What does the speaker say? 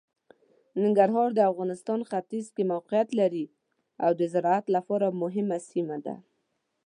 ننګرهار د افغانستان ختیځ کې موقعیت لري او د زراعت لپاره مهمه سیمه ده.